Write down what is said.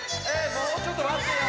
もうちょっとまってよ！